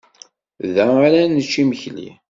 Da ara nečč imekli.